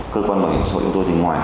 cơ quan bảo hiểm xã hội của tôi thì ngoài